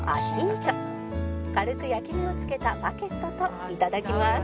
軽く焼き目を付けたバゲットと頂きます